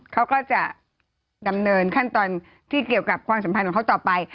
เขาก็จะดำเนินขั้นตอนที่เกี่ยวกับความสัมพันธ์ของเขาต่อไป